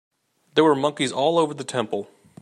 There were monkeys all over the temple.